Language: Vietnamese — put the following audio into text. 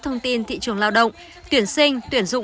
hơn ba mươi trị tiêu